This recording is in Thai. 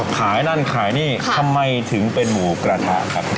ขายนั่นขายนี่ทำไมถึงเป็นหมูกระทะครับ